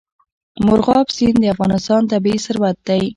مورغاب سیند د افغانستان طبعي ثروت دی.